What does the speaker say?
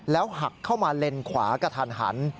หักเข้ามาเลนขวากระทันหัน